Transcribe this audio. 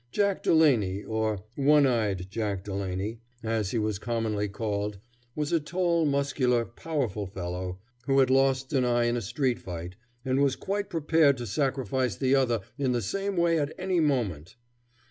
Jack Delaney, or "one eyed Jack Delaney," as he was commonly called, was a tall, muscular, powerful fellow, who had lost an eye in a street fight, and was quite prepared to sacrifice the other in the same way at any moment.